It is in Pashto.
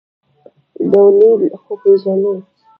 ډولۍ خو پېژنې؟